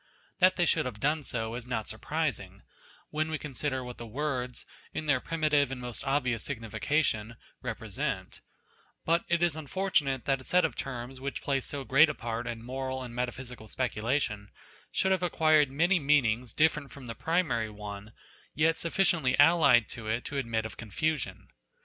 That they should have done so is not surprising, when we consider what the words, in their primitive and most obvious signification, represent ; but it is unfortunate that a set of terms which play so great a part in moral and metaphysical speculation, should have acquired many meanings different from the primary one, yet sufficiently allied to it to admit of confusion.